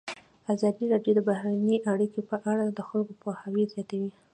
ازادي راډیو د بهرنۍ اړیکې په اړه د خلکو پوهاوی زیات کړی.